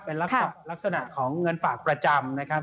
เป็นลักษณะของเงินฝากประจำนะครับ